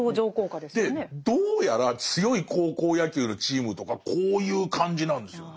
でどうやら強い高校野球のチームとかこういう感じなんですよ。